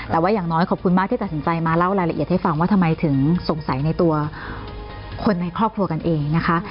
แต่ว่าอย่างน้อยขอบคุณมากที่ตัดสินใจมาเล่ารายละเอียดให้ฟังว่าทำไมถึงสงสัยในตัวคนในครอบครัวกันเองนะคะ